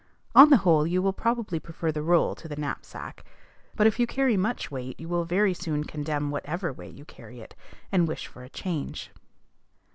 On the whole, you will probably prefer the roll to the knapsack; but if you carry much weight you will very soon condemn whatever way you carry it, and wish for a change.